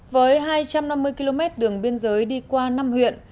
với hai trăm năm mươi km đường biên giới đi qua năm huyện